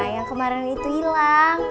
yang kemarin itu hilang